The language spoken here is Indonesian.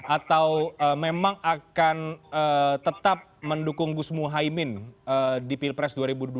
atau memang akan tetap mendukung gus muhaymin di pilpres dua ribu dua puluh